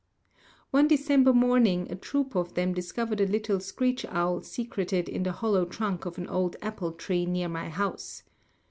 One December morning a troop of them discovered a little screech owl secreted in the hollow trunk of an old apple tree near my house.